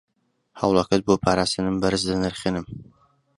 هەوڵەکەت بۆ پاراستنم بەرز دەنرخێنم.